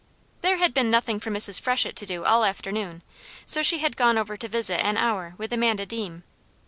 There had been nothing for Mrs. Freshett to do all afternoon, so she had gone over to visit an hour with Amanda Deam.